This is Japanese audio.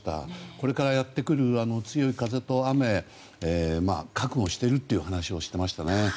これからやってくる強い風と雨覚悟してるというふうに話してましたね。